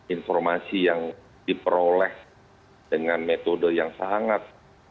informasi yang diperoleh dengan metode yang sangat